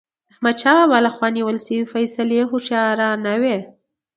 د احمدشاه بابا له خوا نیول سوي فيصلي هوښیارانه وي.